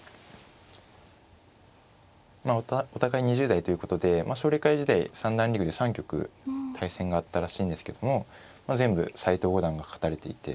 まあお互い２０代ということで奨励会時代三段リーグで３局対戦があったらしいんですけども全部斎藤五段が勝たれていて。